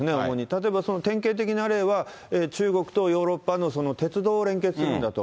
例えばその典型的な例は、中国とヨーロッパの鉄道を連結するんだと。